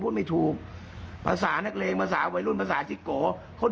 จะต้องมีความผิดจะต้องมีบาปติดตัวไปตลอดชีวิตแน่นอน